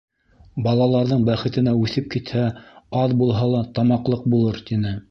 Балаларҙың бәхетенә үҫеп китһә, аҙ булһа ла, тамаҡлыҡ булыр, — тине.